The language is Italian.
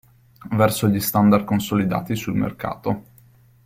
Verso gli standard consolidati sul mercato.